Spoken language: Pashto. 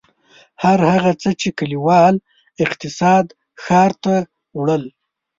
هر هغه څه چې کلیوال اقتصاد ښار ته وړل.